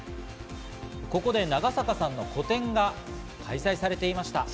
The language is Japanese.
ここで長坂さんの個展が開催されていました。